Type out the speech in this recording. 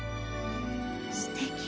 すてき。